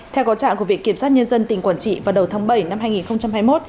theo có trạng của viện kiểm sát nhân dân tỉnh quảng trị vào đầu tháng bảy năm hai nghìn hai mươi một